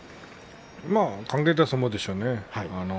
まあ考えた相撲でしょうね。